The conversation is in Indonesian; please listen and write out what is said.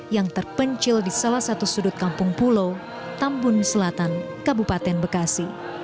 yang terpencil di salah satu sudut kampung pulau tambun selatan kabupaten bekasi